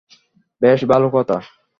বেশ ভালো কথা।